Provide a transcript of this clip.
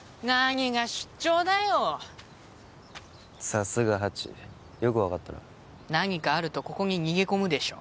さすがハチよく分かったな何かあるとここに逃げ込むでしょ？